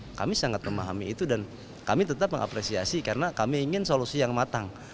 tahun dua ribu delapan belas ini kami sangat memahami itu dan kami tetap mengapresiasi karena kami ingin solusi yang matang